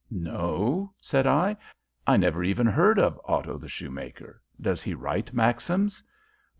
"No," said I. "I never even heard of Otto the Shoemaker. Does he write maxims?"